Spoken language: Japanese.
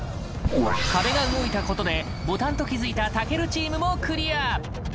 壁が動いたことでボタンと気付いた健チームもクリア！